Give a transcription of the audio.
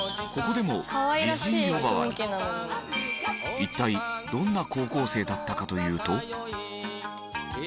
一体どんな高校生だったかというと。